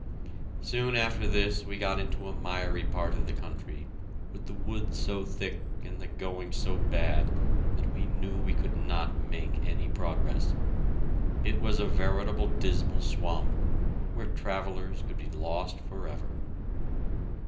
Soon after this we got into a miry part of the country, with the woods so thick and the going so bad that we knew we could not make any progress. It was a veritable dismal swamp, where travellers could be lost forever.